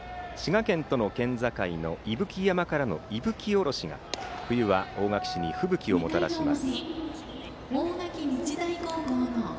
滋賀県との県境の伊吹山からの伊吹おろしが、冬は大垣市に吹雪をもたらします。